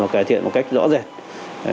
cải thiện một cách rõ ràng